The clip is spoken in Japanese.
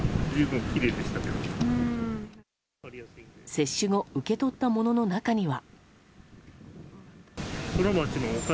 接種後受け取ったものの中には。